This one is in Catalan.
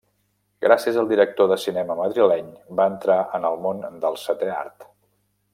Gràcies al director de cinema madrileny va entrar en el món del setè art.